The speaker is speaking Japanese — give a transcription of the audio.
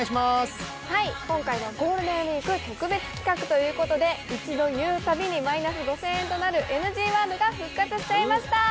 今回はゴールデンウイーク特別企画ということで、１度言うたびに５０００円マイナスとなるＮＧワードが復活しちゃいました。